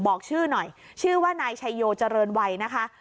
บอกชื่อหน่อยชื่อว่านายชัยโยเจริญวัยนะคะ